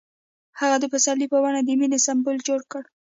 هغه د پسرلی په بڼه د مینې سمبول جوړ کړ.